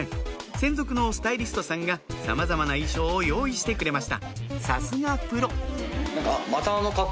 専属のスタイリストさんがさまざまな衣装を用意してくれました